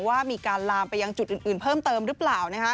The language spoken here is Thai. ว่ามีการลามไปยังจุดอื่นเพิ่มเติมหรือเปล่า